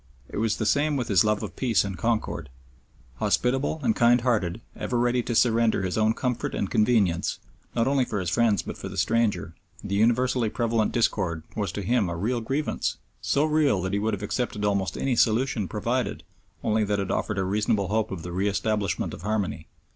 It was the same with his love of peace and concord. Hospitable and kindhearted, ever ready to surrender his own comfort and convenience, not only for his friends but for the stranger, the universally prevalent discord was to him a real grievance, so real that he would have accepted almost any solution provided only that it offered a reasonable hope of the re establishment of harmony.